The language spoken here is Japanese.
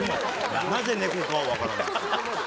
なぜネコかは分からない。